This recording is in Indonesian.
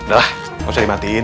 udah gak usah dimatiin